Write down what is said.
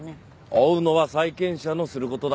追うのは債権者のする事だ。